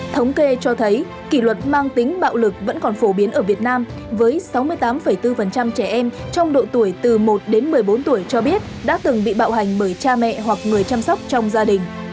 thống kê cho thấy kỷ luật mang tính bạo lực vẫn còn phổ biến ở việt nam với sáu mươi tám bốn trẻ em trong độ tuổi từ một đến một mươi bốn tuổi cho biết đã từng bị bạo hành bởi cha mẹ hoặc người chăm sóc trong gia đình